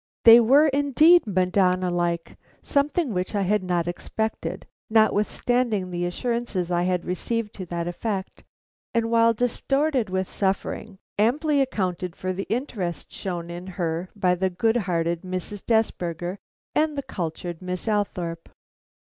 They were indeed Madonna like, something which I had not expected, notwithstanding the assurances I had received to that effect, and while distorted with suffering, amply accounted for the interest shown in her by the good hearted Mrs. Desberger and the cultured Miss Althorpe.